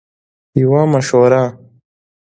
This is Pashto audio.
- یوه مشوره 💡